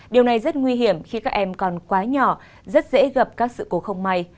điều này rất nguy hiểm khi các em còn quá nhỏ rất dễ gặp các sự cố không may